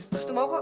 pastu mau kok